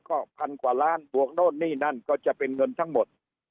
ก็พันกว่าล้านบวกโน่นนี่นั่นก็จะเป็นเงินทั้งหมด